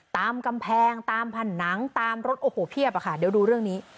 ตามกำแพงตามผนังตามรถโอ้โหเพียบอะค่ะเดี๋ยวดูเรื่องนี้